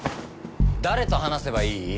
誰と話せばいい？